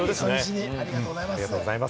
ありがとうございます。